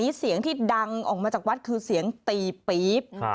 เสียงที่ดังออกมาจากวัดคือเสียงตีปี๊บ